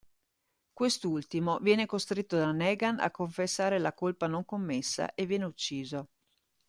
Quest'ultimo viene costretto da Negan a confessare la colpa non commessa e viene ucciso.